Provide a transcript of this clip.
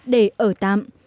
để ở tạm